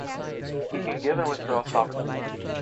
He can give and withdraw sovereignty.